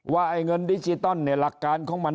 ว่าไอเนินดิจิตอลเนี่ยหลักการของมัน